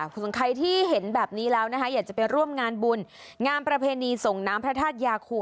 ส่วนใครที่เห็นแบบนี้แล้วนะคะอยากจะไปร่วมงานบุญงานประเพณีส่งน้ำพระธาตุยาคู